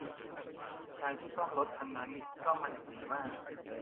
ชายคนที่ซ่อมรถคันนั้นซ่อมมันอย่างดีมาก